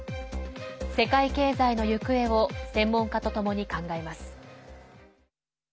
世界経済の行方を専門家とともに考えます。